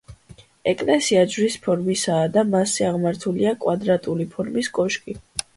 ეკლესია ჯვრის ფორმისაა და მასზე აღმართულია კვადრატული ფორმის კოშკი.